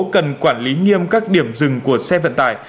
cần quản lý nghiêm các điểm dừng của xe vận tải